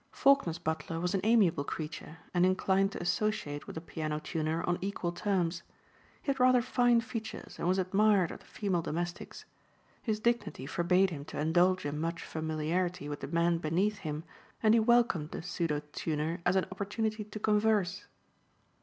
Faulkner's butler was an amiable creature and inclined to associate with a piano tuner on equal terms. He had rather fine features and was admired of the female domestics. His dignity forbade him to indulge in much familiarity with the men beneath him and he welcomed the pseudo tuner as an opportunity to converse.